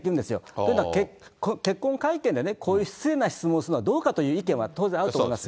というのは、結婚会見でね、こういう失礼な質問をするのは、どうかっていうのは当然あると思います。